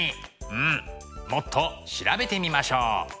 うんもっと調べてみましょう。